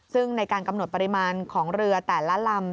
ซึ่งในการกำหนดปริมาณของเรือแต่ละลำ